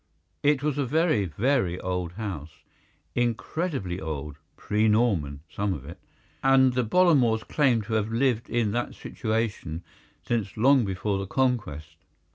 It was a very, very old house, incredibly old—pre Norman, some of it—and the Bollamores claimed to have lived in that situation since long before the Conquest.